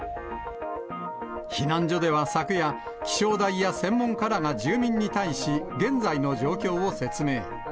避難所では昨夜、気象台や専門家らが住民に対し、現在の状況を説明。